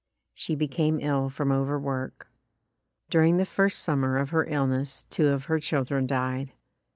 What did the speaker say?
She became ill from overwork. During the first summer of her illness two of her children died.